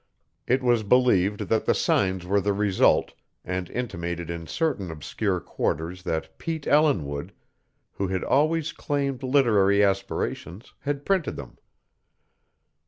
It was believed that the signs were the result, and intimated in certain obscure quarters that Pete Ellinwood, who had always claimed literary aspirations, had printed them.